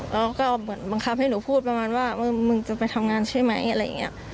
แล้วก็เหมือนบังคับให้หนูพูดประมาณว่ามึงจะไปทำงานใช่ไหมอะไรอย่างนี้